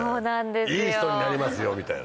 「いい人になりますよ」みたいな。